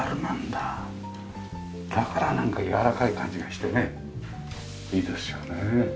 だからなんかやわらかい感じがしてねいいですよね。